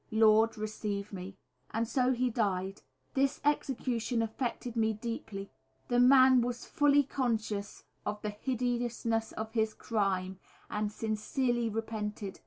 Lord receive me." And so he died. This execution affected me deeply. The man was fully conscious of the hideousness of his crime, and sincerely repented.